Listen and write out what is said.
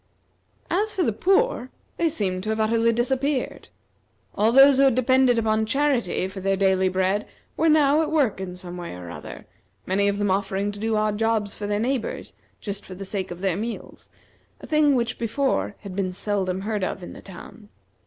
As for the poor, they seemed to have utterly disappeared. All those who had depended upon charity for their daily bread were now at work in some way or other; many of them offering to do odd jobs for their neighbors just for the sake of their meals, a thing which before had been seldom heard of in the town.